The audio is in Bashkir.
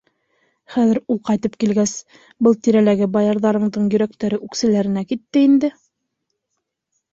Хәҙер ул ҡайтып килгәс, был тирәләге баярҙарыңдың йөрәктәре үксәләренә китте инде.